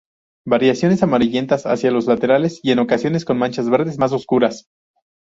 Variaciones amarillentas hacia los laterales y en ocasiones con manchas verdes más oscuras.